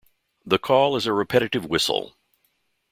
The call is a repetitive whistle.